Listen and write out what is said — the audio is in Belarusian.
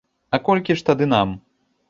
А колькі ж тады нам?